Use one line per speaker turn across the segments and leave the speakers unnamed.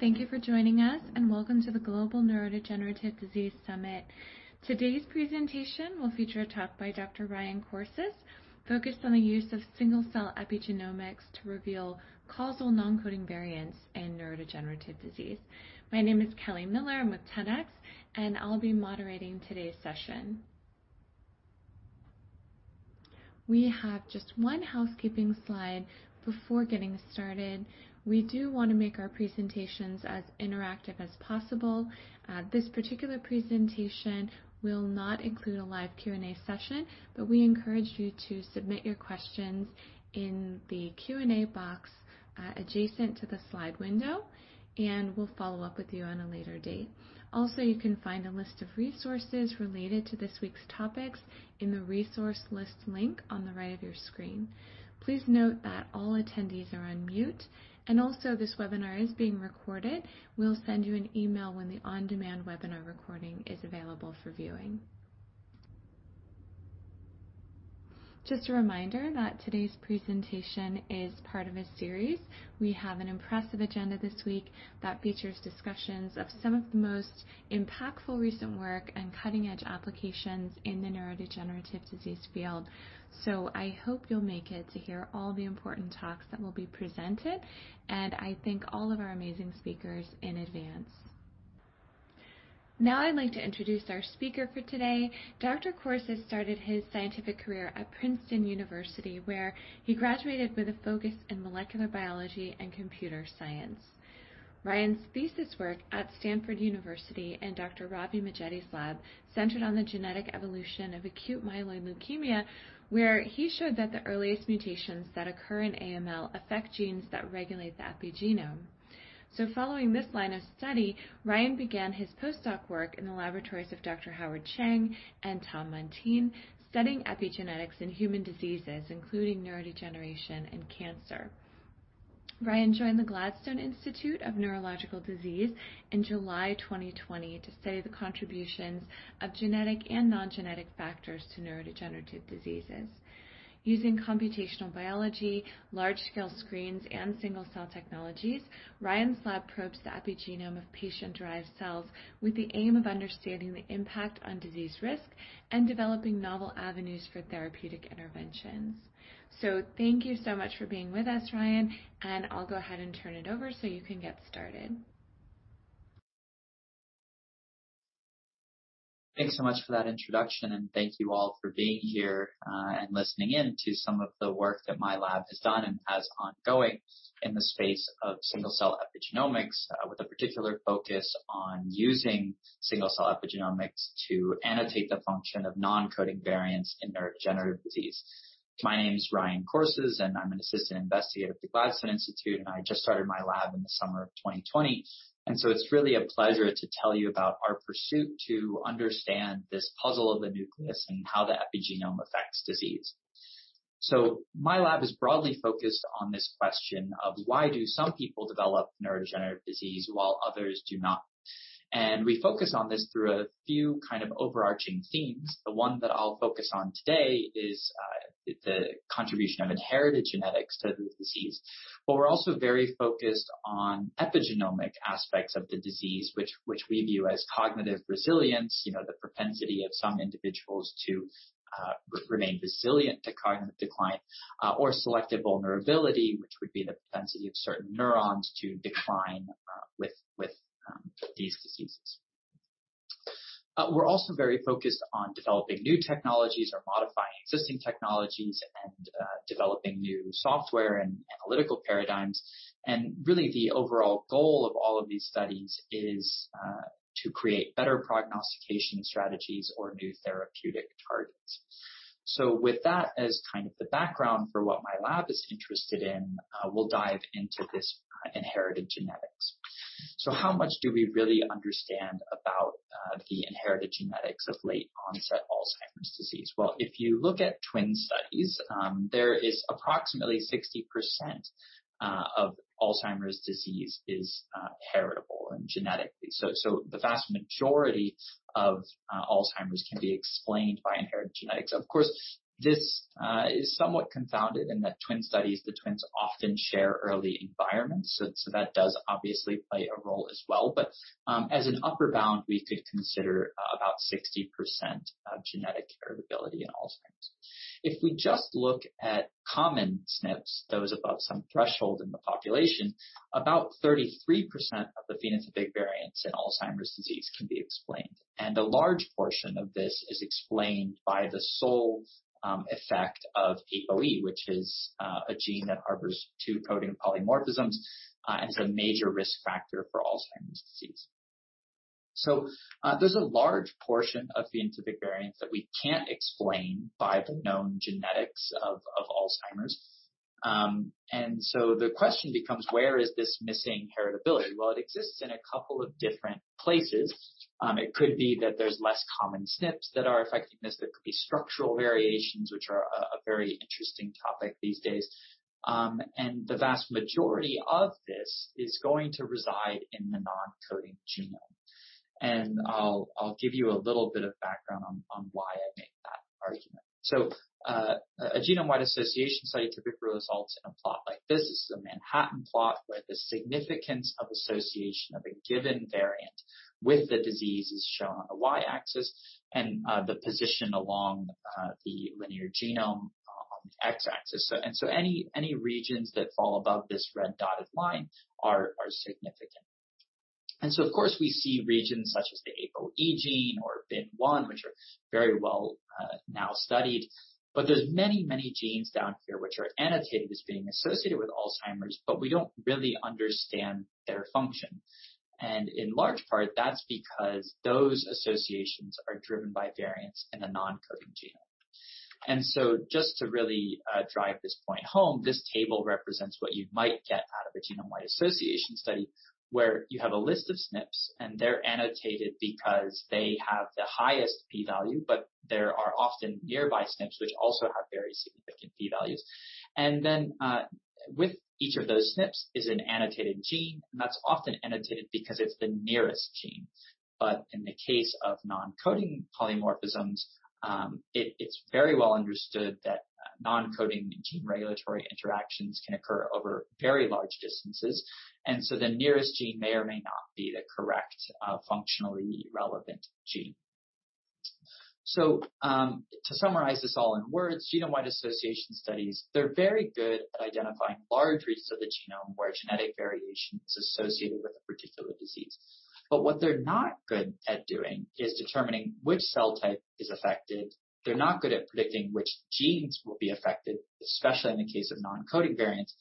Hello, everyone. Thank you for joining us, and welcome to the Global Neurodegenerative Disease Summit. Today's presentation will feature a talk by Dr. Ryan Corces focused on the use of single-cell epigenomics to reveal causal non-coding variants in neurodegenerative disease. My name is Kelly Miller, I'm with 10x, and I'll be moderating today's session. We have just one housekeeping slide before getting started. We do want to make our presentation as interactive as possible. This particular presentation will not include a live Q&A session, but we encourage you to submit your questions in the Q&A box adjacent to the slide window, and we'll follow up with you at a later date. Also, you can find a list of resources related to this week's topics in the resource list link on the right of your screen. Please note that all attendees are on mute. Also, this webinar is being recorded. We'll send you an email when the on-demand webinar recording is available for viewing. Just a reminder that today's presentation is part of a series. We have an impressive agenda this week that features discussions of some of the most impactful recent work and cutting-edge applications in the neurodegenerative disease field. I hope you'll make it to hear all the important talks that will be presented. I thank all of our amazing speakers in advance. I'd like to introduce our speaker for today. Dr. Corces started his scientific career at Princeton University, where he graduated with a focus in molecular biology and computer science. Ryan's thesis work at Stanford University in Dr. Ravi Majeti's lab centered on the genetic evolution of acute myeloid leukemia, where he showed that the earliest mutations that occur in AML affect genes that regulate the epigenome. Following this line of study, Ryan began his postdoc work in the laboratories of Dr. Howard Chang and Thomas Montine, studying epigenetics in human diseases, including neurodegeneration and cancer. Ryan joined the Gladstone Institute of Neurological Disease in July 2020 to study the contributions of genetic and non-genetic factors to neurodegenerative diseases. Using computational biology, large-scale screens, and single-cell technologies, Ryan's lab probes the epigenome of patient-derived cells with the aim of understanding the impact on disease risk and developing novel avenues for therapeutic interventions. Thank you so much for being with us, Ryan. I'll go ahead and turn it over so you can get started.
Thanks so much for that introduction, and thank you all for being here and listening in to some of the work that my lab has done and has ongoing in the space of single-cell epigenomics, with a particular focus on using single-cell epigenomics to annotate the function of non-coding variants in neurodegenerative disease. My name's Ryan Corces, and I'm an assistant investigator at the Gladstone Institutes, and I just started my lab in the summer of 2020. It's really a pleasure to tell you about our pursuit to understand this puzzle of the nucleus and how the epigenome affects disease. My lab is broadly focused on this question of why do some people develop neurodegenerative disease while others do not? We focus on this through a few overarching themes. The one that I'll focus on today is the contribution of inherited genetics to the disease. We're also very focused on epigenomic aspects of the disease, which we view as cognitive resilience. The propensity of some individuals to remain resilient to cognitive decline or selective vulnerability, which would be the propensity of certain neurons to decline with these diseases. We're also very focused on developing new technologies or modifying existing technologies and developing new software and analytical paradigms. Really the overall goal of all of these studies is to create better prognostication strategies or new therapeutic targets. With that as the background for what my lab is interested in, we'll dive into this inherited genetics. How much do we really understand about the inherited genetics of late-onset Alzheimer's disease? Well, if you look at twin studies, there is approximately 60% of Alzheimer's disease is heritable and genetic. The vast majority of Alzheimer's can be explained by inherited genetics. Of course, this is somewhat confounded in that twin studies, the twins often share early environments, so that does obviously play a role as well. As an upper bound, we could consider about 60% genetic heritability in Alzheimer's. If we just look at common SNPs, those above some threshold in the population, about 33% of the phenotypic variance in Alzheimer's disease can be explained. A large portion of this is explained by the sole effect of APOE, which is a gene that harbors two coding polymorphisms and is a major risk factor for Alzheimer's disease. There's a large portion of phenotypic variance that we can't explain by the known genetics of Alzheimer's. The question becomes: where is this missing heritability? It exists in a couple of different places. It could be that there's less common SNPs that are affecting this. There could be structural variations, which are a very interesting topic these days. The vast majority of this is going to reside in the non-coding genome. I'll give you a little bit of background on why I make that argument. A genome-wide association study typically results in a plot like this. This is a Manhattan plot where the significance of association of a given variant with the disease is shown on the Y-axis, and the position along the linear genome on the X-axis. Any regions that fall above this red dotted line are significant. Of course, we see regions such as the APOE gene or BIN1, which are very well now studied, but there's many, many genes down here which are annotated as being associated with Alzheimer's, but we don't really understand their function. In large part, that's because those associations are driven by variants in the non-coding genome. Just to really drive this point home, this table represents what you might get out of a genome-wide association study where you have a list of SNPs, and they're annotated because they have the highest p-value, but there are often nearby SNPs which also have very significant p-values. With each of those SNPs is an annotated gene, and that's often annotated because it's the nearest gene. In the case of non-coding polymorphisms, it's very well understood that non-coding gene regulatory interactions can occur over very large distances, and so the nearest gene may or may not be the correct functionally relevant gene. To summarize this all in words, genome-wide association studies, they're very good at identifying large regions of the genome where genetic variation is associated with a particular disease. What they're not good at doing is determining which cell type is affected. They're not good at predicting which genes will be affected, especially in the case of non-coding variants,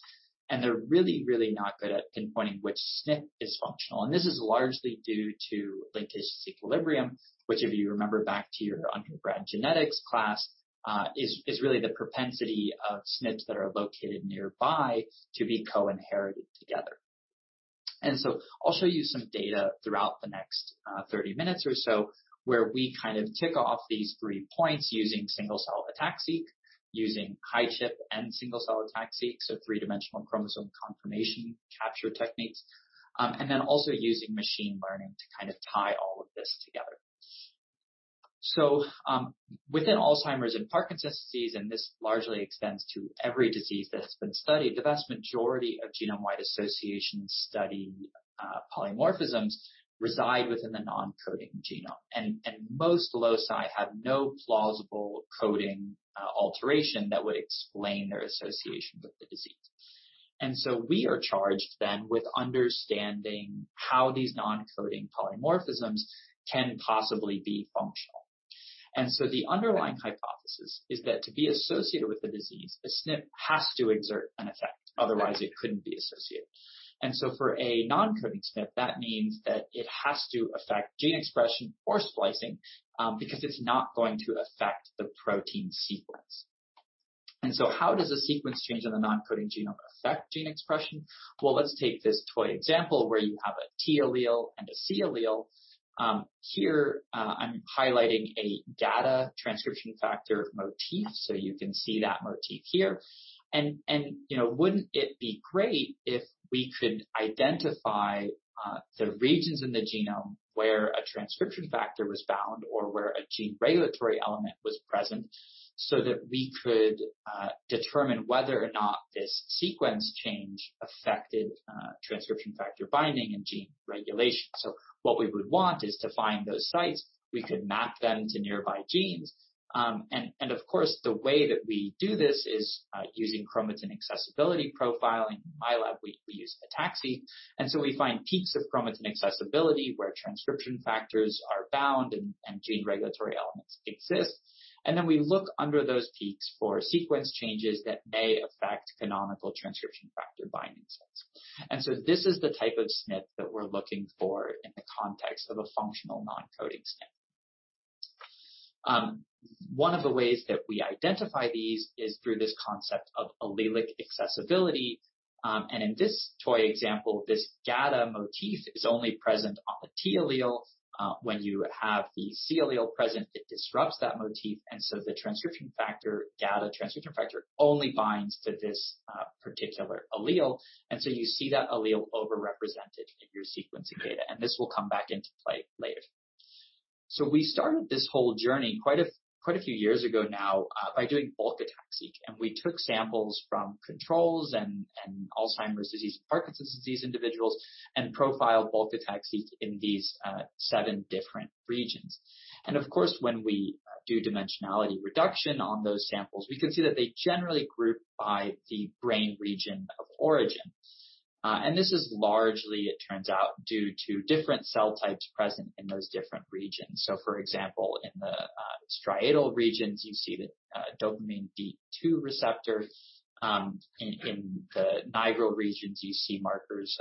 and they're really, really not good at pinpointing which SNP is functional. This is largely due to linkage disequilibrium, which if you remember back to your undergrad genetics class, is really the propensity of SNPs that are located nearby to be co-inherited together. I'll show you some data throughout the next 30 minutes or so where we kind of tick off these three points using single-cell ATAC-seq, using HiChIP and single-cell ATAC-seq, so three-dimensional chromosome confirmation capture techniques. Then also using machine learning to kind of tie all of this together. Within Alzheimer's and Parkinson's disease, and this largely extends to every disease that has been studied, the vast majority of genome-wide association study polymorphisms reside within the non-coding genome. Most loci have no plausible coding alteration that would explain their association with the disease. We are charged then with understanding how these non-coding polymorphisms can possibly be functional. The underlying hypothesis is that to be associated with the disease, a SNP has to exert an effect, otherwise it couldn't be associated. For a non-coding SNP, that means that it has to affect gene expression or splicing, because it's not going to affect the protein sequence. How does a sequence change in the non-coding genome affect gene expression? Let's take this toy example where you have a T allele and a C allele. Here, I'm highlighting a GATA transcription factor motif, so you can see that motif here. Wouldn't it be great if we could identify the regions in the genome where a transcription factor was bound or where a gene regulatory element was present so that we could determine whether or not this sequence change affected transcription factor binding and gene regulation? What we would want is to find those sites. We could map them to nearby genes. Of course, the way that we do this is using chromatin accessibility profiling. In my lab, we use ATAC-seq, and so we find peaks of chromatin accessibility where transcription factors are bound and gene regulatory elements exist. Then we look under those peaks for sequence changes that may affect canonical transcription factor binding sites. This is the type of SNP that we're looking for in the context of a functional non-coding SNP. One of the ways that we identify these is through this concept of allelic accessibility. In this toy example, this GATA motif is only present on the T allele. When you have the C allele present, it disrupts that motif, the GATA transcription factor only binds to this particular allele. You see that allele overrepresented in your sequencing data, and this will come back into play later. We started this whole journey quite a few years ago now by doing bulk ATAC-seq, and we took samples from controls and Alzheimer's disease and Parkinson's disease individuals and profiled bulk ATAC-seq in these seven different regions. Of course, when we do dimensionality reduction on those samples, we can see that they generally group by the brain region of origin. This is largely, it turns out, due to different cell types present in those different regions. For example, in the striatal regions, you see the dopamine D2 receptor. In the nigral regions, you see markers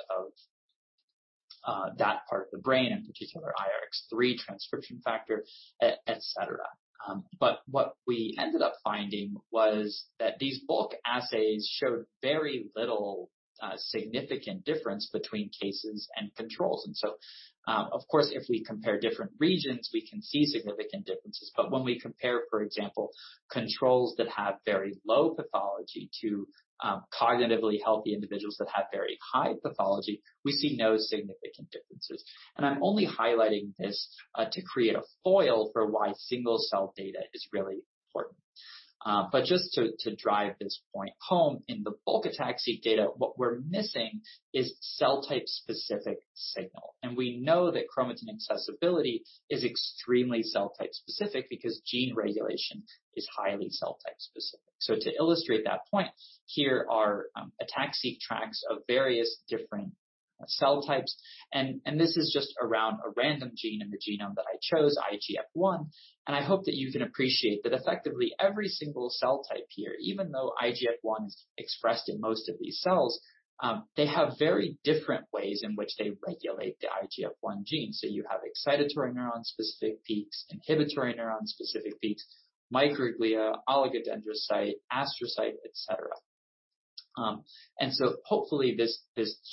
of that part of the brain, in particular IRX3 transcription factor, et cetera. What we ended up finding was that these bulk assays showed very little significant difference between cases and controls. Of course, if we compare different regions, we can see significant differences. When we compare, for example, controls that have very low pathology to cognitively healthy individuals that have very high pathology, we see no significant differences. I'm only highlighting this to create a foil for why single-cell data is really important. Just to drive this point home, in the bulk ATAC-seq data, what we're missing is cell type specific signal. We know that chromatin accessibility is extremely cell type specific because gene regulation is highly cell type specific. To illustrate that point, here are ATAC-seq tracks of various different cell types. This is just around a random gene in the genome that I chose, IGF-1. I hope that you can appreciate that effectively every single cell type here, even though IGF-1 is expressed in most of these cells, they have very different ways in which they regulate the IGF-1 gene. You have excitatory neuron specific peaks, inhibitory neuron specific peaks, microglia, oligodendrocyte, astrocyte, et cetera. Hopefully this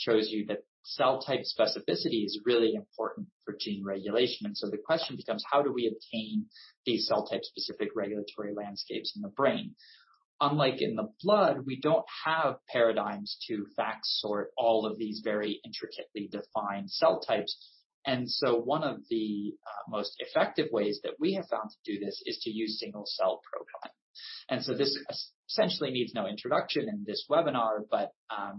shows you that cell type specificity is really important for gene regulation. The question becomes: how do we obtain these cell type specific regulatory landscapes in the brain? Unlike in the blood, we don't have paradigms to FACS sort all of these very intricately defined cell types. One of the most effective ways that we have found to do this is to use single-cell profiling. This essentially needs no introduction in this webinar, but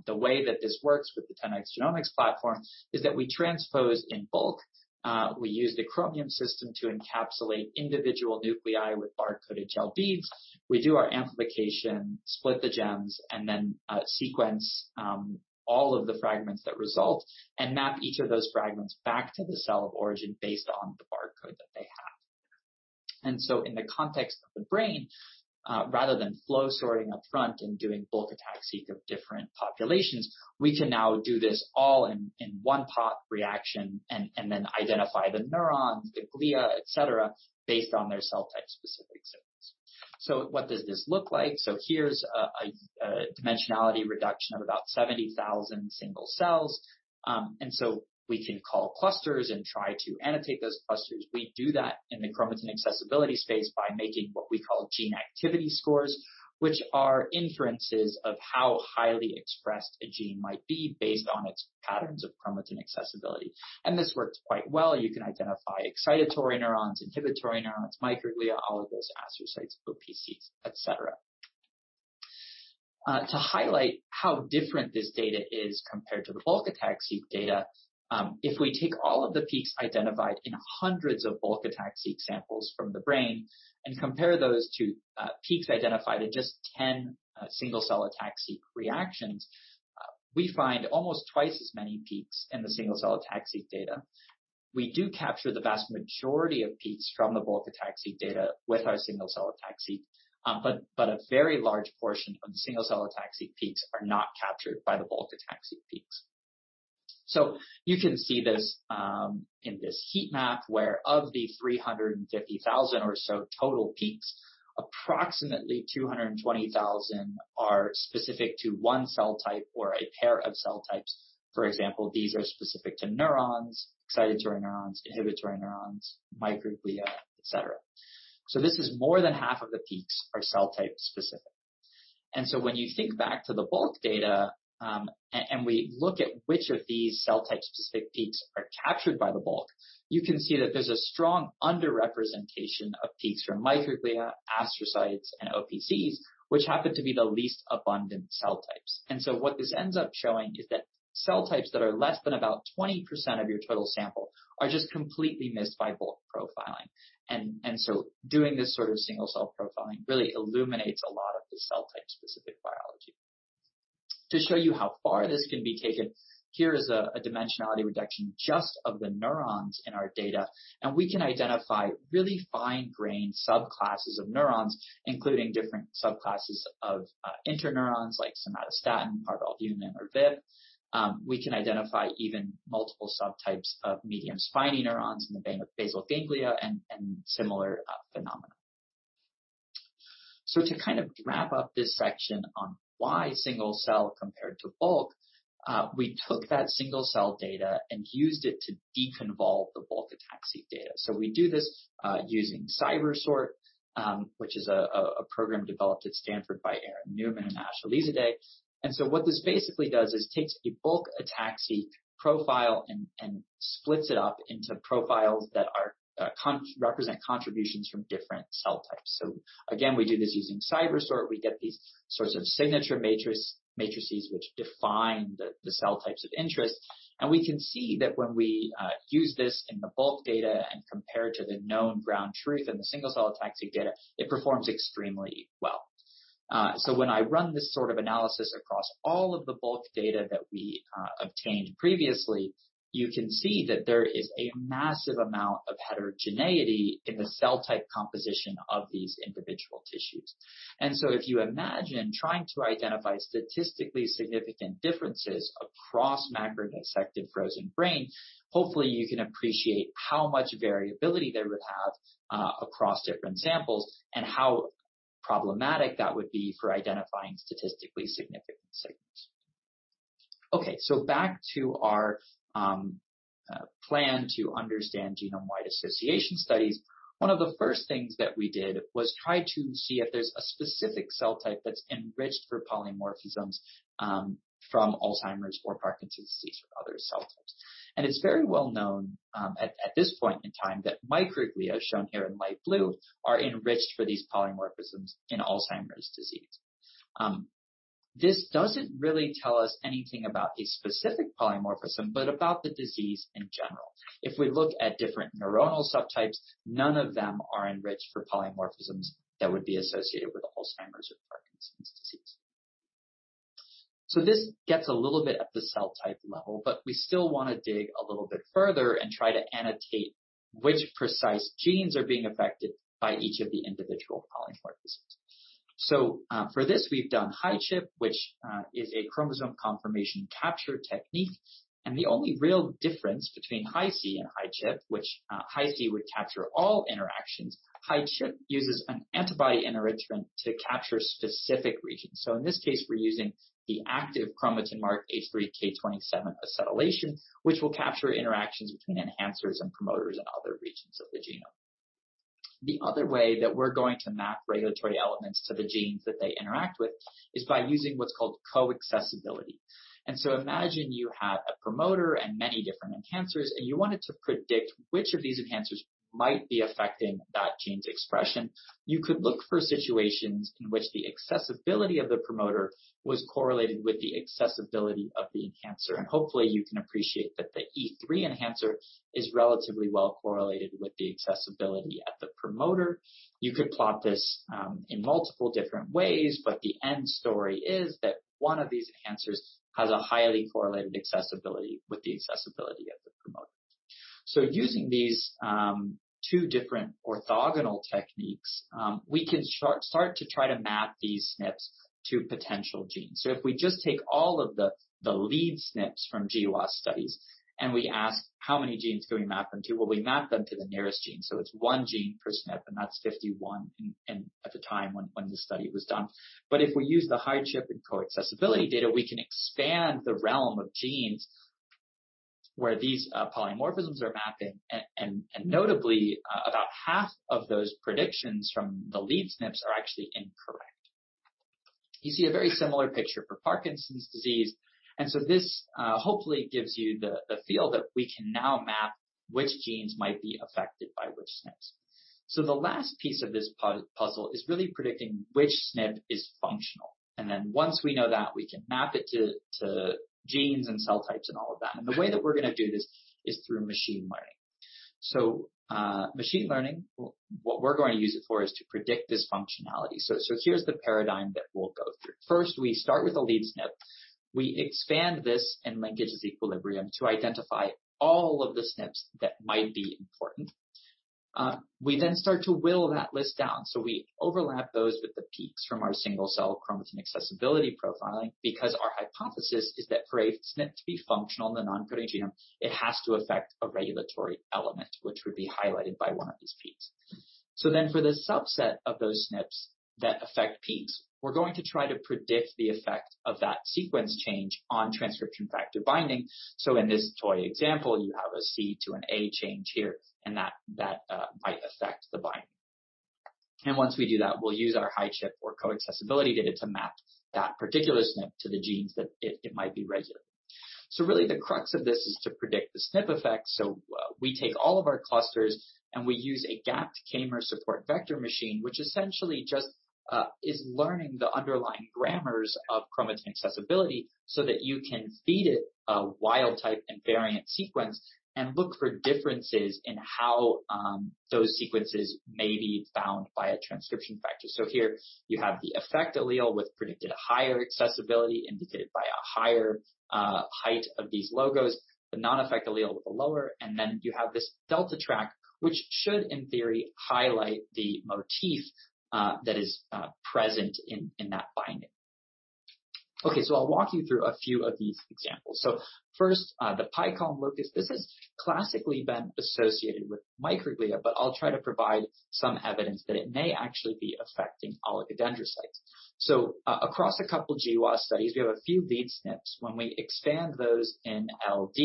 the way that this works with the 10x Genomics platform is that we transpose in bulk, we use the Chromium system to encapsulate individual nuclei with bar-coded gel beads. We do our amplification, split the GEMs, and then sequence all of the fragments that result, and map each of those fragments back to the cell of origin based on the barcode that they have. In the context of the brain, rather than flow sorting up front and doing bulk ATAC-seq of different populations, we can now do this all in one pot reaction and then identify the neurons, the glia, et cetera, based on their cell type specific signals. What does this look like? Here's a dimensionality reduction of about 70,000 single cells. We can call clusters and try to annotate those clusters. We do that in the chromatin accessibility space by making what we call gene activity scores, which are inferences of how highly expressed a gene might be based on its patterns of chromatin accessibility. This works quite well. You can identify excitatory neurons, inhibitory neurons, microglia, oligodendrocytes, OPCs, et cetera. To highlight how different this data is compared to the bulk ATAC-seq data, if we take all of the peaks identified in hundreds of bulk ATAC-seq samples from the brain and compare those to peaks identified in just 10 single-cell ATAC-seq reactions, we find almost twice as many peaks in the single-cell ATAC-seq data. We do capture the vast majority of peaks from the bulk ATAC-seq data with our single-cell ATAC-seq, but a very large portion of the single-cell ATAC-seq peaks are not captured by the bulk ATAC-seq peaks. You can see this in this heat map where of the 350,000 or so total peaks, approximately 220,000 are specific to one cell type or a pair of cell types. For example, these are specific to neurons, excitatory neurons, inhibitory neurons, microglia, et cetera. This is more than half of the peaks are cell type specific. When you think back to the bulk data, and we look at which of these cell type specific peaks are captured by the bulk, you can see that there's a strong underrepresentation of peaks from microglia, astrocytes, and OPCs, which happen to be the least abundant cell types. What this ends up showing is that cell types that are less than about 20% of your total sample are just completely missed by bulk profiling. Doing this sort of single-cell profiling really illuminates a lot of the cell type specific biology. To show you how far this can be taken, here is a dimensionality reduction just of the neurons in our data, and we can identify really fine-grained subclasses of neurons, including different subclasses of interneurons like somatostatin, parvalbumin, or VIP. We can identify even multiple subtypes of medium spiny neurons in the basal ganglia and similar phenomena. To kind of wrap up this section on why single-cell compared to bulk, we took that single-cell data and used it to deconvolve the bulk ATAC-seq data. We do this using CIBERSORT, which is a program developed at Stanford by Aaron Newman and Ash Alizadeh. What this basically does is takes a bulk ATAC-seq profile and splits it up into profiles that represent contributions from different cell types. Again, we do this using CIBERSORT. We get these sorts of signature matrices which define the cell types of interest. We can see that when we use this in the bulk data and compare to the known ground truth in the single-cell ATAC-seq data, it performs extremely well. When I run this sort of analysis across all of the bulk data that we obtained previously, you can see that there is a massive amount of heterogeneity in the cell type composition of these individual tissues. If you imagine trying to identify statistically significant differences across macro-dissected frozen brain, hopefully you can appreciate how much variability they would have across different samples and how problematic that would be for identifying statistically significant signals. Back to our plan to understand genome-wide association studies. One of the first things that we did was try to see if there's a specific cell type that's enriched for polymorphisms from Alzheimer's or Parkinson's disease or other cell types. It's very well known, at this point in time, that microglia, shown here in light blue, are enriched for these polymorphisms in Alzheimer's disease. This doesn't really tell us anything about a specific polymorphism, but about the disease in general. If we look at different neuronal subtypes, none of them are enriched for polymorphisms that would be associated with Alzheimer's or Parkinson's disease. This gets a little bit at the cell type level, but we still want to dig a little bit further and try to annotate which precise genes are being affected by each of the individual polymorphisms. For this, we've done HiChIP, which is a chromosome confirmation capture technique. The only one real difference between Hi-C and HiChIP, which Hi-C would capture all interactions, HiChIP uses an antibody enrichment to capture specific regions. In this case, we're using the active chromatin mark H3K27 acetylation, which will capture interactions between enhancers and promoters and other regions of the genome. The other way that we're going to map regulatory elements to the genes that they interact with is by using what's called co-accessibility. Imagine you have a promoter and many different enhancers, and you wanted to predict which of these enhancers might be affecting that gene's expression. You could look for situations in which the accessibility of the promoter was correlated with the accessibility of the enhancer. Hopefully, you can appreciate that the E3 enhancer is relatively well correlated with the accessibility at the promoter. You could plot this in multiple different ways, but the end story is that one of these enhancers has a highly correlated accessibility with the accessibility of the promoter. Using these two different orthogonal techniques, we can start to try to map these SNPs to potential genes. If we just take all of the lead SNPs from GWAS studies and we ask how many genes do we map them to, well, we map them to the nearest gene. It's one gene per SNP, and that's 51 at the time when the study was done. If we use the HiChIP and co-accessibility data, we can expand the realm of genes where these polymorphisms are mapping, and notably, about half of those predictions from the lead SNPs are actually incorrect. You see a very similar picture for Parkinson's disease. This hopefully gives you the feel that we can now map which genes might be affected by which SNPs. The last piece of this puzzle is really predicting which SNP is functional. Once we know that, we can map it to genes and cell types and all of that. The way that we're going to do this is through machine learning. Machine learning, what we're going to use it for is to predict this functionality. Here's the paradigm that we'll go through. First, we start with a lead SNP. We expand this in linkage disequilibrium to identify all of the SNPs that might be important. We start to whittle that list down. We overlap those with the peaks from our single-cell chromatin accessibility profiling because our hypothesis is that for a SNP to be functional in the non-coding genome, it has to affect a regulatory element which would be highlighted by one of these peaks. For the subset of those SNPs that affect peaks, we're going to try to predict the effect of that sequence change on transcription factor binding. In this toy example, you have a C to an A change here, and that might affect the binding. Once we do that, we'll use our HiChIP or co-accessibility data to map that particular SNP to the genes that it might be regulating. Really the crux of this is to predict the SNP effect. We take all of our clusters and we use a gapped k-mer support vector machine, which essentially just is learning the underlying grammars of chromatin accessibility so that you can feed it a wild type and variant sequence and look for differences in how those sequences may be bound by a transcription factor. Here you have the effect allele with predicted higher accessibility indicated by a higher height of these logos, the non-effect allele with a lower, and then you have this delta track, which should in theory highlight the motif that is present in that binding. Okay, I'll walk you through a few of these examples. First, the PICALM locus. This has classically been associated with microglia, but I'll try to provide some evidence that it may actually be affecting oligodendrocytes. Across a couple of GWAS studies, we have a few lead SNPs. When we expand those in LD,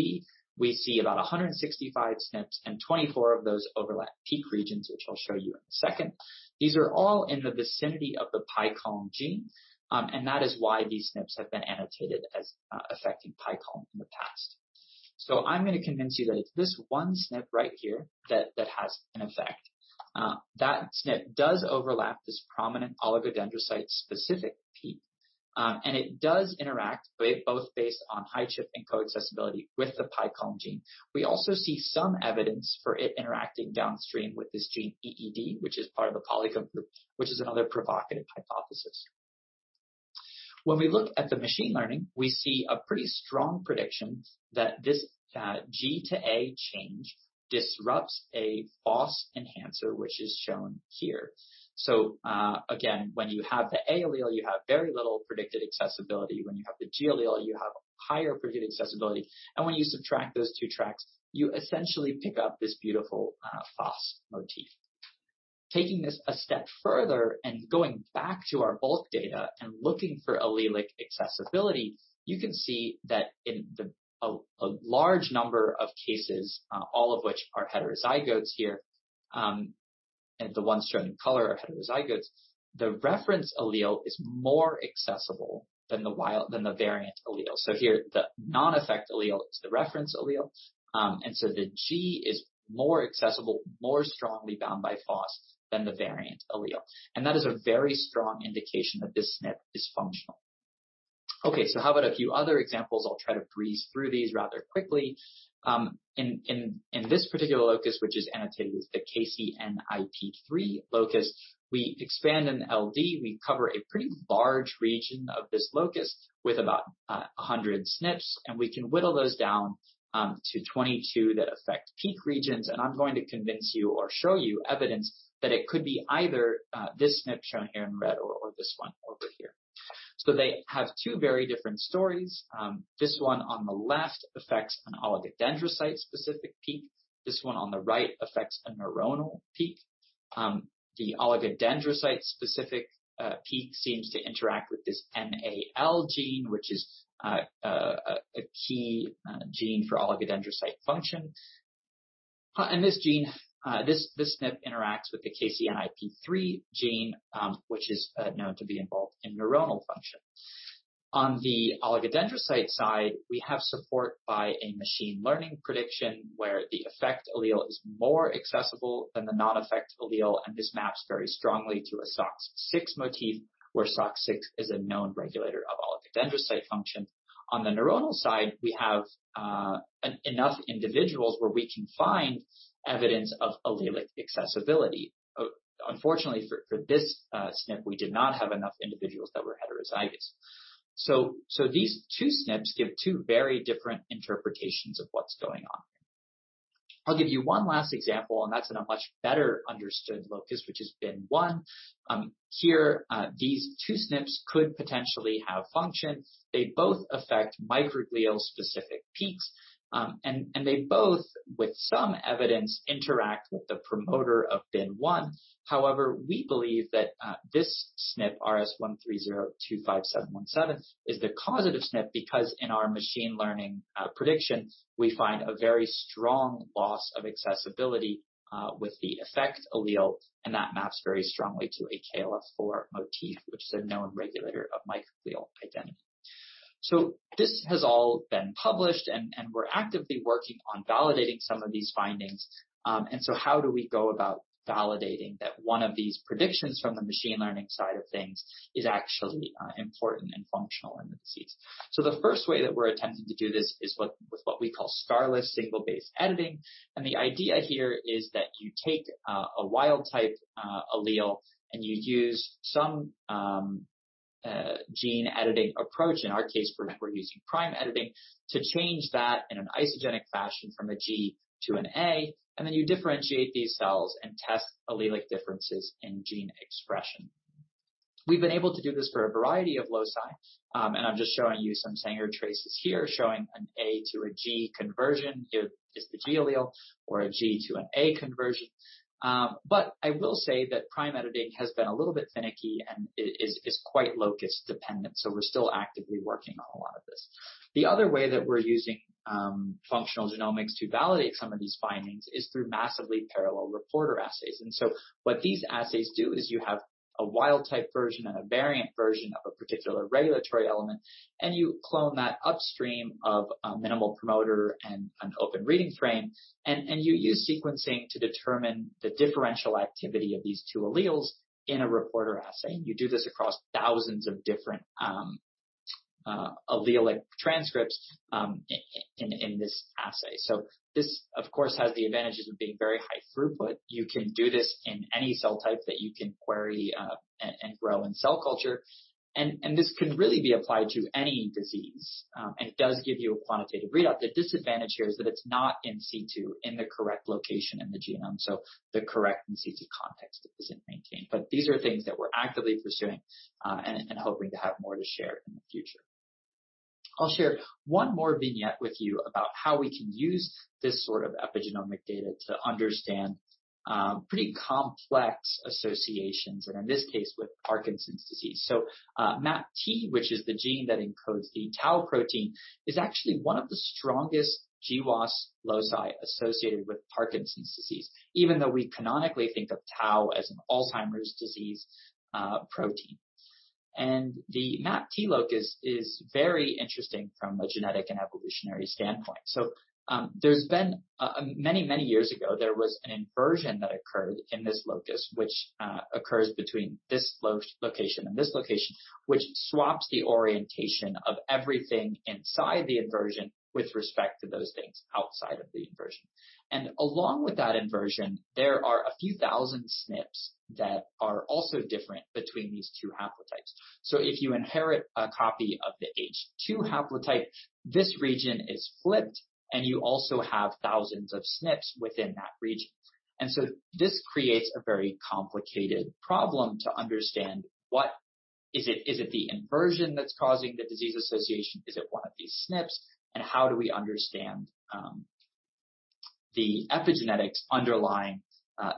we see about 165 SNPs and 24 of those overlap peak regions, which I'll show you in a second. These are all in the vicinity of the PICALM gene, and that is why these SNPs have been annotated as affecting PICALM in the past. I'm going to convince you that it's this one SNP right here that has an effect. That SNP does overlap this prominent oligodendrocyte specific peak. It does interact both based on HiChIP and co-accessibility with the PICALM gene. We also see some evidence for it interacting downstream with this gene EED, which is part of a Polycomb group, which is another provocative hypothesis. When we look at the machine learning, we see a pretty strong prediction that this G to A change disrupts a Fos enhancer, which is shown here. Again, when you have the A allele, you have very little predicted accessibility. When you have the G allele, you have higher predicted accessibility. When you subtract those two tracks, you essentially pick up this beautiful Fos motif. Taking this a step further and going back to our bulk data and looking for allelic accessibility, you can see that in a large number of cases, all of which are heterozygotes here, and the ones shown in color are heterozygotes, the reference allele is more accessible than the variant allele. Here, the non-effect allele is the reference allele, and so the G is more accessible, more strongly bound by Fos than the variant allele. That is a very strong indication that this SNP is functional. How about a few other examples? I'll try to breeze through these rather quickly. In this particular locus, which is annotated as the KCNIP3 locus, we expand an LD, we cover a pretty large region of this locus with about 100 SNPs, and we can whittle those down to 22 that affect peak regions. I'm going to convince you or show you evidence that it could be either this SNP shown here in red or this one over here. They have two very different stories. This one on the left affects an oligodendrocyte specific peak. This one on the right affects a neuronal peak. The oligodendrocyte specific peak seems to interact with this MAL gene, which is a key gene for oligodendrocyte function. This SNP interacts with the KCNIP3 gene, which is known to be involved in neuronal function. On the oligodendrocyte side, we have support by a machine learning prediction where the effect allele is more accessible than the non-effect allele, and this maps very strongly to a SOX6 motif, where SOX6 is a known regulator of oligodendrocyte function. On the neuronal side, we have enough individuals where we can find evidence of allelic accessibility. Unfortunately, for this SNP, we did not have enough individuals that were heterozygous. These two SNPs give two very different interpretations of what's going on. I'll give you one last example, and that's in a much better understood locus, which is BIN1. Here, these two SNPs could potentially have function. They both affect microglial specific peaks, and they both, with some evidence, interact with the promoter of BIN1. However, we believe that this SNP, rs13025717, is the causative SNP because in our machine learning prediction, we find a very strong loss of accessibility with the effect allele, and that maps very strongly to a KLF4 motif, which is a known regulator of microglial identity. This has all been published, and we're actively working on validating some of these findings. How do we go about validating that one of these predictions from the machine learning side of things is actually important and functional in the disease? The first way that we're attempting to do this is with what we call scarless single-base editing. The idea here is that you take a wild-type allele, and you use some gene editing approach, in our case, we're using prime editing, to change that in an isogenic fashion from a G to an A, and then you differentiate these cells and test allelic differences in gene expression. We've been able to do this for a variety of loci. I'm just showing you some Sanger traces here, showing an A to a G conversion if it's the G allele, or a G to an A conversion. I will say that prime editing has been a little bit finicky and is quite locus dependent, so we're still actively working on a lot of this. The other way that we're using functional genomics to validate some of these findings is through massively parallel reporter assays. What these assays do is you have a wild-type version and a variant version of a particular regulatory element, and you clone that upstream of a minimal promoter and an open reading frame, and you use sequencing to determine the differential activity of these two alleles in a reporter assay. You do this across thousands of different allelic transcripts in this assay. This, of course, has the advantages of being very high throughput. You can do this in any cell type that you can query and grow in cell culture. This can really be applied to any disease, and it does give you a quantitative readout. The disadvantage here is that it's not in situ in the correct location in the genome, so the correct in situ context isn't maintained. These are things that we're actively pursuing and hoping to have more to share in the future. I'll share one more vignette with you about how we can use this sort of epigenomic data to understand pretty complex associations, and in this case, with Parkinson's disease. MAPT, which is the gene that encodes the tau protein, is actually one of the strongest GWAS loci associated with Parkinson's disease, even though we canonically think of tau as an Alzheimer's disease protein. The MAPT locus is very interesting from a genetic and evolutionary standpoint. Many, many years ago, there was an inversion that occurred in this locus, which occurs between this location and this location, which swaps the orientation of everything inside the inversion with respect to those things outside of the inversion. Along with that inversion, there are a few thousand SNPs that are also different between these two haplotypes. If you inherit a copy of the H2 haplotype, this region is flipped, and you also have thousands of SNPs within that region. This creates a very complicated problem to understand is it the inversion that's causing the disease association? Is it one of these SNPs? How do we understand the epigenetics underlying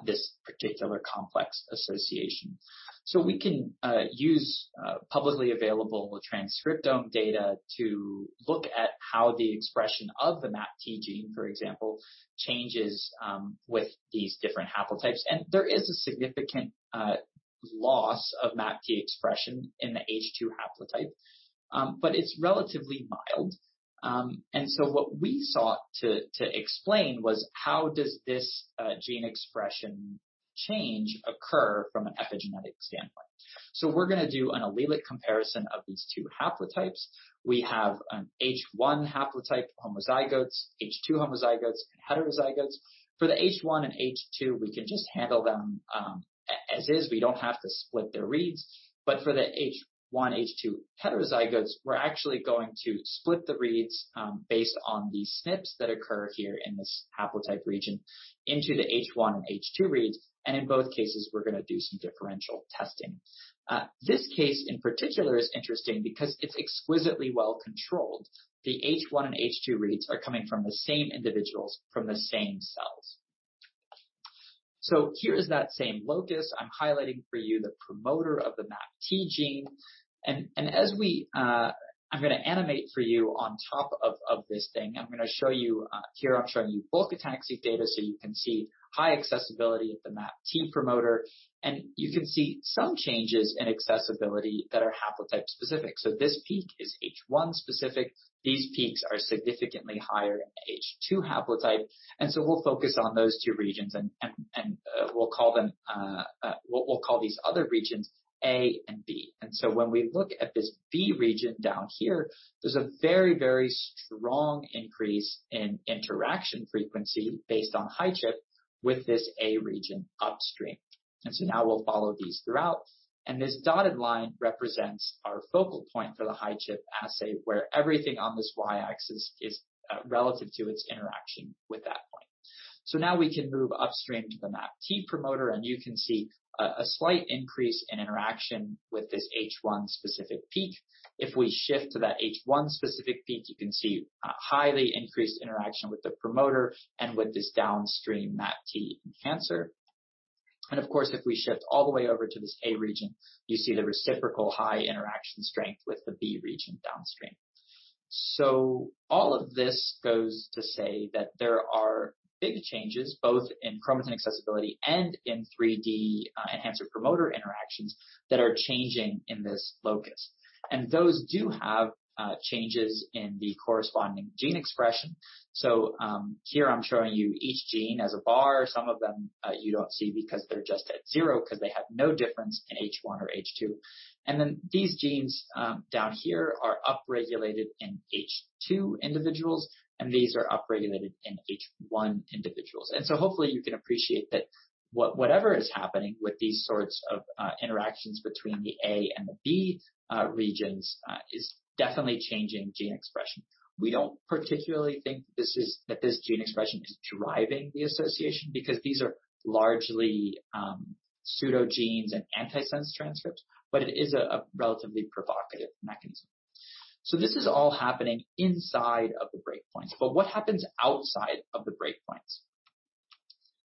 this particular complex association? We can use publicly available transcriptome data to look at how the expression of the MAPT gene, for example, changes with these different haplotypes. There is a significant loss of MAPT expression in the H2 haplotype, but it's relatively mild. What we sought to explain was how does this gene expression change occur from an epigenetic standpoint? We're going to do an allelic comparison of these two haplotypes. We have an H1 haplotype homozygotes, H2 homozygotes, and heterozygotes. For the H1 and H2, we can just handle them as is. We don't have to split their reads. For the H1 H2 heterozygotes, we're actually going to split the reads based on the SNPs that occur here in this haplotype region into the H1 and H2 reads. In both cases, we're going to do some differential testing. This case in particular is interesting because it's exquisitely well-controlled. The H1 and H2 reads are coming from the same individuals from the same cells. Here is that same locus. I'm highlighting for you the promoter of the MAPT gene. I'm going to animate for you on top of this thing. Here I'm showing you bulk ATAC-seq data so you can see high accessibility at the MAPT promoter, and you can see some changes in accessibility that are haplotype specific. This peak is H1 specific. These peaks are significantly higher in H2 haplotype, we'll focus on those two regions and we'll call these other regions A and B. When we look at this B region down here, there's a very strong increase in interaction frequency based on HiChIP with this A region upstream. Now we'll follow these throughout. This dotted line represents our focal point for the HiChIP assay, where everything on this Y-axis is relative to its interaction with that point. Now we can move upstream to the MAPT promoter, and you can see a slight increase in interaction with this H1 specific peak. If we shift to that H1 specific peak, you can see highly increased interaction with the promoter and with this downstream MAPT enhancer. Of course, if we shift all the way over to this A region, you see the reciprocal high interaction strength with the B region downstream. All of this goes to say that there are big changes both in chromatin accessibility and in 3D enhancer-promoter interactions that are changing in this locus. Those do have changes in the corresponding gene expression. Here I'm showing you each gene as a bar. Some of them you don't see because they're just at zero because they have no difference in H1 or H2. These genes down here are upregulated in H2 individuals, and these are upregulated in H1 individuals. Hopefully you can appreciate that whatever is happening with these sorts of interactions between the A and the B regions is definitely changing gene expression. We don't particularly think that this gene expression is driving the association because these are largely pseudogenes and antisense transcripts, but it is a relatively provocative mechanism. This is all happening inside of the breakpoints, but what happens outside of the breakpoints?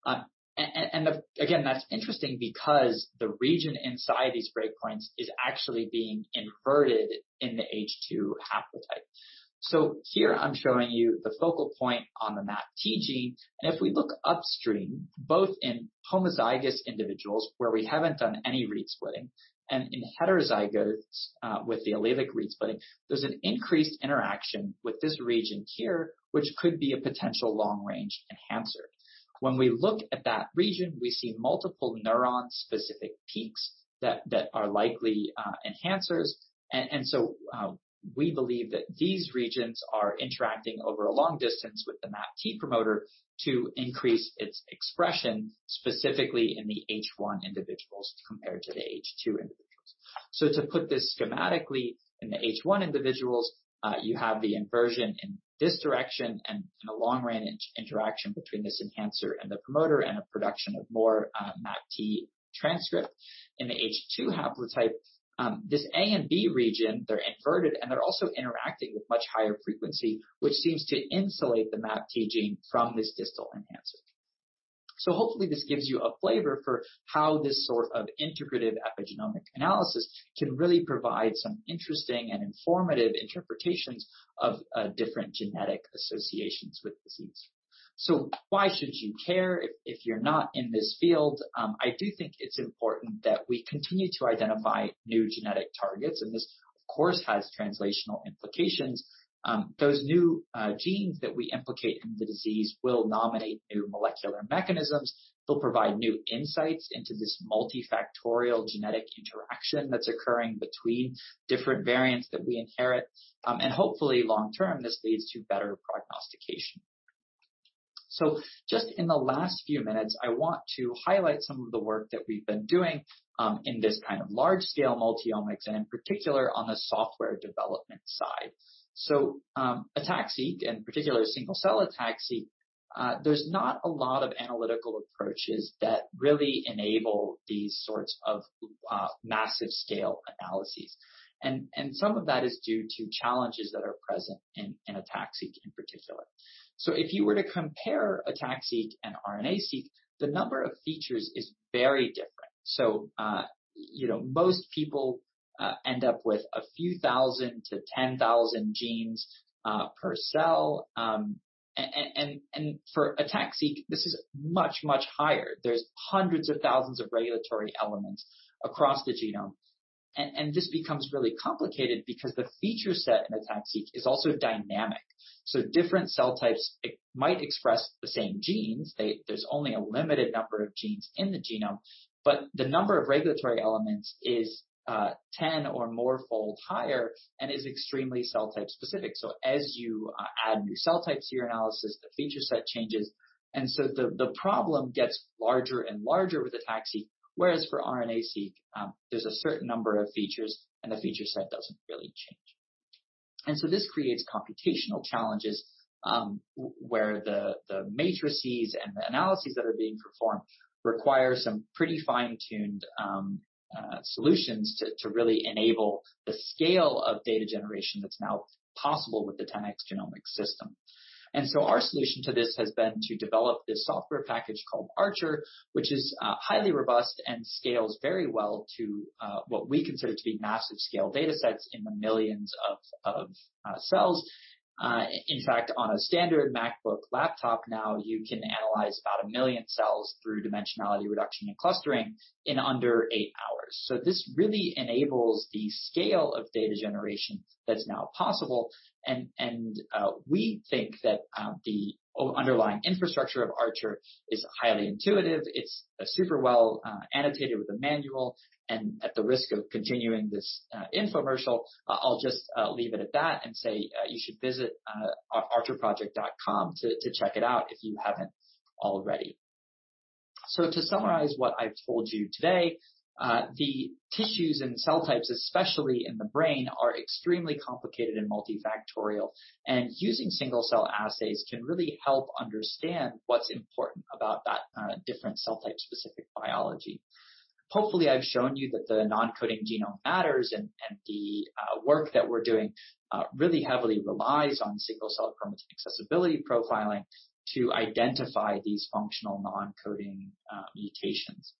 That's interesting because the region inside these breakpoints is actually being inverted in the H2 haplotype. Here I'm showing you the focal point on the MAPT gene, and if we look upstream, both in homozygous individuals where we haven't done any read splitting and in heterozygotes with the allelic read splitting, there's an increased interaction with this region here, which could be a potential long-range enhancer. When we look at that region, we see multiple neuron-specific peaks that are likely enhancers. We believe that these regions are interacting over a long distance with the MAPT promoter to increase its expression, specifically in the H1 individuals compared to the H2 individuals. To put this schematically in the H1 individuals, you have the inversion in this direction and a long-range interaction between this enhancer and the promoter and a production of more MAPT transcript. In the H2 haplotype, this A and B region, they're inverted, and they're also interacting with much higher frequency, which seems to insulate the MAPT gene from this distal enhancer. Hopefully this gives you a flavor for how this sort of integrative epigenomic analysis can really provide some interesting and informative interpretations of different genetic associations with disease. Why should you care if you're not in this field? I do think it's important that we continue to identify new genetic targets, and this, of course, has translational implications. Those new genes that we implicate in the disease will nominate new molecular mechanisms. They'll provide new insights into this multifactorial genetic interaction that's occurring between different variants that we inherit. Hopefully long-term, this leads to better prognostication. Just in the last few minutes, I want to highlight some of the work that we've been doing in this kind of large-scale multi-omics and in particular on the software development side. ATAC-seq, in particular single-cell ATAC-seq, there's not a lot of analytical approaches that really enable these sorts of massive scale analyses. Some of that is due to challenges that are present in ATAC-seq in particular. If you were to compare ATAC-seq and RNA-seq, the number of features is very different. Most people end up with a few thousand to 10,000 genes per cell. For ATAC-seq, this is much, much higher. There's hundreds of thousands of regulatory elements across the genome. This becomes really complicated because the feature set in ATAC-seq is also dynamic. Different cell types might express the same genes. There's only a limited number of genes in the genome, but the number of regulatory elements is 10 or morefold higher and is extremely cell type specific. As you add new cell types to your analysis, the feature set changes, and the problem gets larger and larger with ATAC-seq, whereas for RNA-seq, there's a certain number of features, and the feature set doesn't really change. This creates computational challenges, where the matrices and the analyses that are being performed require some pretty fine-tuned solutions to really enable the scale of data generation that's now possible with the 10x Genomics system. Our solution to this has been to develop this software package called ArchR, which is highly robust and scales very well to what we consider to be massive scale data sets in the millions of cells. On a standard MacBook laptop now, you can analyze about a million cells through dimensionality reduction and clustering in under eight hours. This really enables the scale of data generation that's now possible. We think that the underlying infrastructure of ArchR is highly intuitive. It's super well annotated with a manual. At the risk of continuing this infomercial, I'll just leave it at that and say you should visit archrproject.com to check it out if you haven't already. To summarize what I've told you today, the tissues and cell types, especially in the brain, are extremely complicated and multifactorial, and using single-cell assays can really help understand what's important about that different cell type-specific biology. Hopefully, I've shown you that the non-coding genome matters, the work that we're doing really heavily relies on single-cell chromatin accessibility profiling to identify these functional non-coding mutations.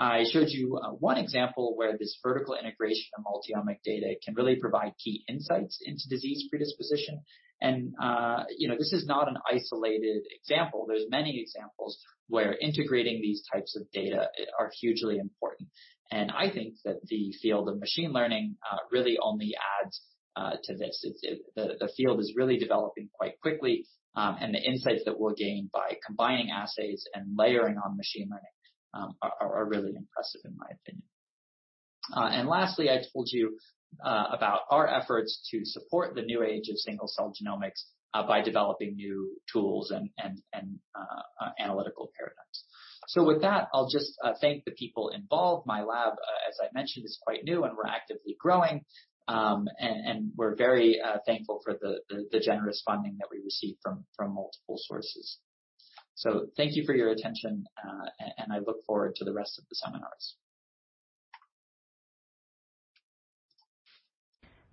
I showed you one example where this vertical integration of multi-omic data can really provide key insights into disease predisposition. This is not an isolated example. There's many examples where integrating these types of data are hugely important. I think that the field of machine learning really only adds to this. The field is really developing quite quickly, and the insights that we'll gain by combining assays and layering on machine learning are really impressive in my opinion. Lastly, I told you about our efforts to support the new age of single-cell genomics by developing new tools and analytical paradigms. With that, I'll just thank the people involved. My lab, as I mentioned, is quite new, and we're actively growing. We're very thankful for the generous funding that we received from multiple sources. Thank you for your attention, and I look forward to the rest of the seminars.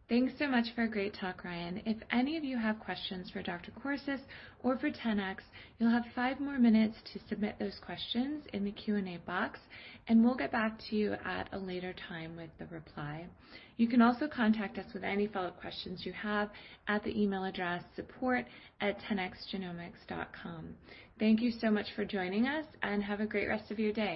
Thanks so much for a great talk, Ryan. If any of you have questions for Dr. Corces or for 10x, you'll have five more minutes to submit those questions in the Q&A box, and we'll get back to you at a later time with the reply. You can also contact us with any follow-up questions you have at the email address support@10xgenomics.com. Thank you so much for joining us, and have a great rest of your day.